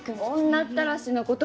女ったらしの事。